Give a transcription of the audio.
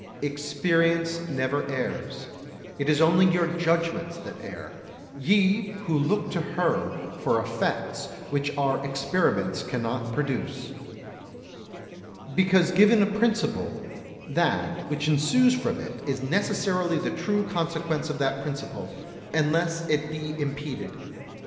Experience never errs; it is only your judgements that err, ye who look to her for effects which our experiments cannot produce. Because given a principle, that which ensues from it is necessarily the true consequence of that principle, unless it be impeded.